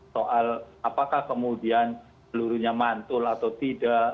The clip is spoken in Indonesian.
soal apakah kemudian pelurunya mantul atau tidak